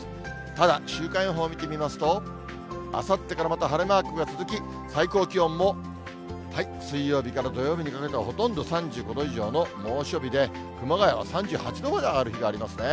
ただ、週間予報見てみますと、あさってからまた晴れマークが続き、最高気温も水曜日から土曜日にかけてはほとんど３５度以上の猛暑日で、熊谷は３８度まで上がる日がありますね。